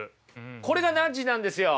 これがナッジなんですよ。